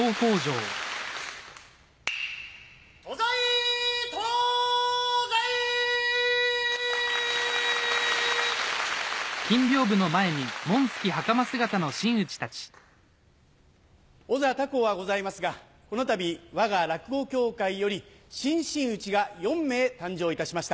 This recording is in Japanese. ・東西東西・お座高うはございますがこのたびわが落語協会より新真打が４名誕生いたしました。